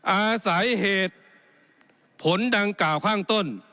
อาศัยเหตุผลดังกล่าวข้างต้น